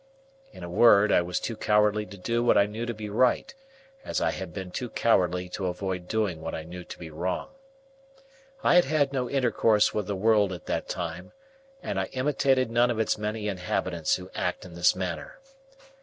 In a word, I was too cowardly to do what I knew to be right, as I had been too cowardly to avoid doing what I knew to be wrong. I had had no intercourse with the world at that time, and I imitated none of its many inhabitants who act in this manner.